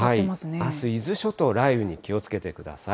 あす、伊豆諸島、雷雨に気をつけてください。